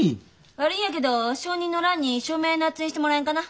悪いんやけど証人の欄に署名捺印してもらえんかな。